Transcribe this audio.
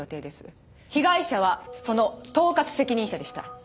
被害者はその統括責任者でした。